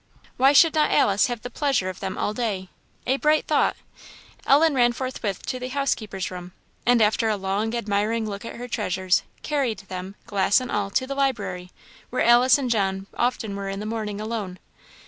why should not Alice have the pleasure of them all day? A bright thought! Ellen ran forthwith to the house keeper's room, and after a long, admiring look at her treasures, carried them, glass and all, to the library, where Alice and John often were in the morning alone.